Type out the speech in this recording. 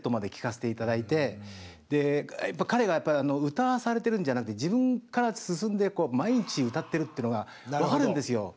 やっぱり彼が歌わされてるんじゃなく自分から進んで毎日歌ってるっていうのが分かるんですよ。